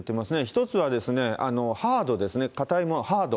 １つはハードですね、かたいもの、ハード。